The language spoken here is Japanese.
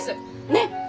ねっ！